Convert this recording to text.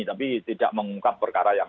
tapi tidak mengungkap perkara yang